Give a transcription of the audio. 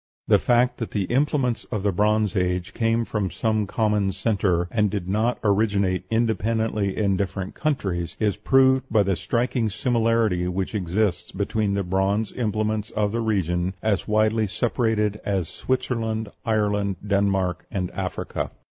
The fact that the implements of the Bronze Age came from some common centre, and did not originate independently in different countries, is proved by the striking similarity which exists between the bronze implements of regions as widely separated as Switzerland, Ireland, Denmark, and Africa.